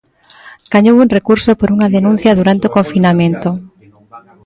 Gañou un recurso por unha denuncia durante o confinamento.